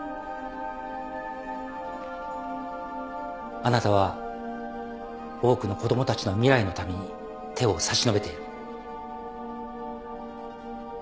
あなたは多くの子供たちの未来のために手を差し伸べている。